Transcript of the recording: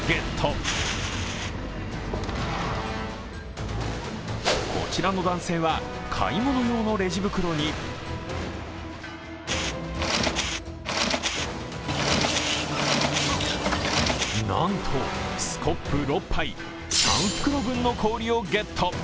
また、こちらの男性は買い物用のレジ袋になんとスコップ６杯、３袋分の氷をゲット。